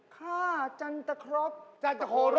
ข้าจันตครบจันตะโครบ